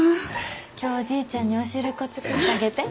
今日おじいちゃんにお汁粉作ったげて。